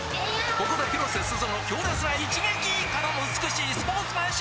ここで広瀬すずの強烈な一撃！からの美しいスポーツマンシップ！